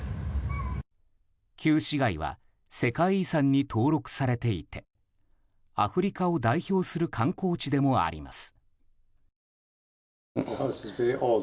旧市街は世界遺産に登録されていてアフリカを代表する観光地でもあります。